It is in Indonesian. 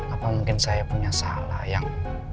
apa mungkin saya punya salah yang